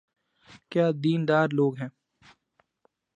کیا دین دار لوگ ہیں۔